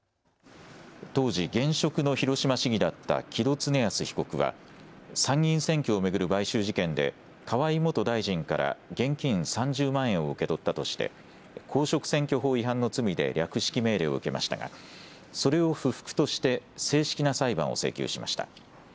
当時、現職の広島市議だった木戸経康被告は参議院選挙を巡る買収事件で河井元大臣から現金３０万円を受け取ったとして公職選挙法違反の罪で略式命令を受けましたが、それを不服として正式な裁判を請求しました。